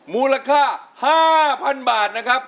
มูลค่า๕๐๐๐บาทนะครับ